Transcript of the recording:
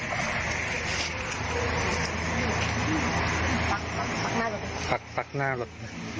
ปั๊กปั๊กปั๊กหน้าลด